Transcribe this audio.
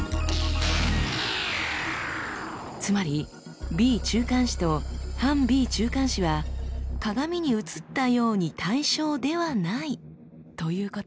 つまりＢ中間子と反Ｂ中間子は鏡に映ったように対称ではないということ。